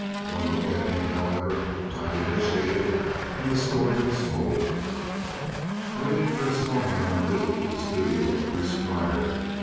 One look at him, however, by the initiated, and the story was told. Aileen first saw him on a visit to the studio of Rhees Grier.